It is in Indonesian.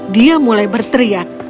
dia mulai berteriak